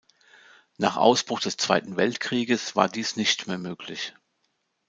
Nach Ausbruch des Zweiten Weltkrieges war dies nicht mehr möglich.